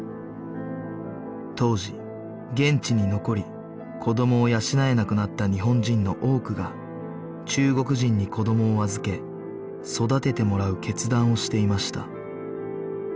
当時現地に残り子どもを養えなくなった日本人の多くが中国人に子どもを預け育ててもらう決断をしていました